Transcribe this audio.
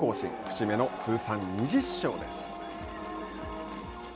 節目の通算２０勝です。